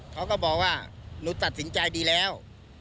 เขาก็บอกว่าหนูตัดสินใจดีแล้ว